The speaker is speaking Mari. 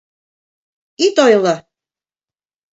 — Ит ойло!